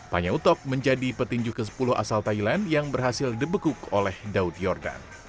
panyo utok menjadi petinju ke sepuluh asal thailand yang berhasil dibekuk oleh daud yordan